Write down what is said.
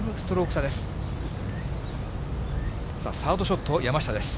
サードショット、山下です。